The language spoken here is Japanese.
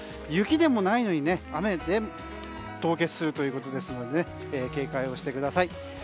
雪でもないのに雨でも凍結するということですので警戒をしてください。